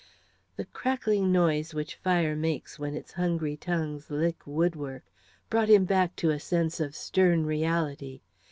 The crackling noise which fire makes when its hungry tongues lick woodwork brought him back to a sense of stern reality.